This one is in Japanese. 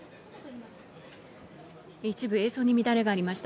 一部映像に乱れがありました。